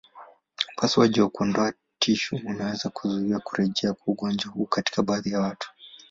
Upasuaji wa kuondoa tishu unaweza kuzuia kurejea kwa ugonjwa huu katika baadhi ya watu.